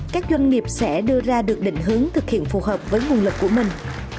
các doanh nghiệp sẽ đưa ra được định hướng thực hiện phù hợp với nguồn lực của mình